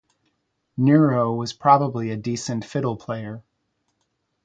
Nero was probably a decent fiddle player.